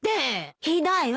ひどいわ！